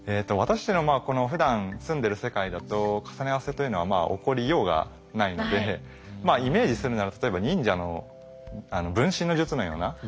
私たちのこのふだん住んでる世界だと重ね合わせというのは起こりようがないのでイメージするなら例えば忍者の分身の術のような。